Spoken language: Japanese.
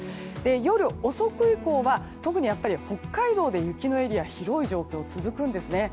夜遅く以降は、特に北海道で雪のエリアが広い状況が続くんですね。